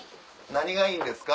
何がいいんですか？